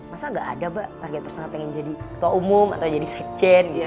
masa gak ada mbak target personal pengen jadi ketua umum atau jadi sekjen gitu